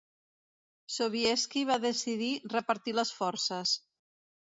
Sobieski va decidir repartir les forces.